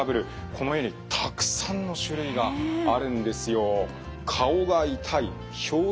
このようにたくさんの種類があるんですよ。